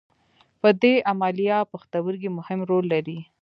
په دې عملیه پښتورګي مهم رول لري.